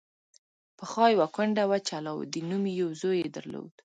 پخوا یوه کونډه وه چې علاوالدین نومې یو زوی یې درلود.